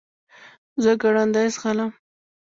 زه ګړندی ځغلم .